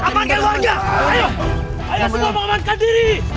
semua amankan diri